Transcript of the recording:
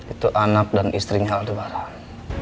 itu anak dan istrinya aldebaran